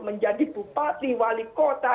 menjadi bupati wali kota